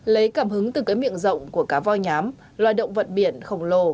lấy cảm hứng từ cái miệng rộng của cá voi nhám loài động vật biển khổng lồ